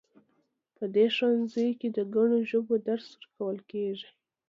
په دې ښوونځي کې د ګڼو ژبو درس ورکول کیږي